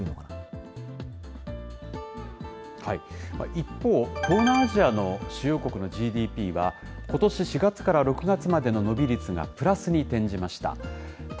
一方、東南アジアの主要国のＧＤＰは、ことし４月から６月までの伸び率がプラスに転じました。